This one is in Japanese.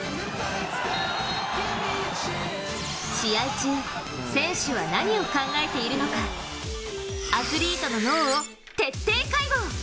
試合中、選手は何を考えているのかアスリートの脳を徹底解剖。